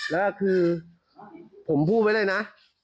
แล้วคือผมพูดไว้เลยนะ